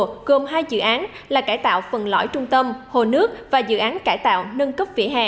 hồ con rùa gồm hai dự án là cải tạo phần lõi trung tâm hồ nước và dự án cải tạo nâng cấp vỉa hè